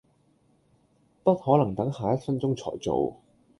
不可能等下一分鐘才做